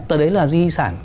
đó đấy là di sản